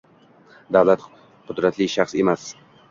davlat qudratli shaxs emas